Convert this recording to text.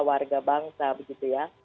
warga bangsa begitu ya